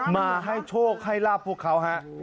มาให้โชคให้ลาบพวกเขาฮะ